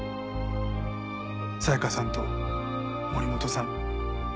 紗香さんと森本さん